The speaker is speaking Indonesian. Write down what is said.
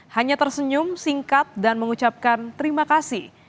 hanya tersenyum singkat dan mengucapkan terima kasih